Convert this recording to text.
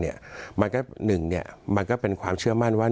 โดยเฉพาะตะวันออกกลางเนี่ยมันก็เป็นความเชื่อมั่นว่า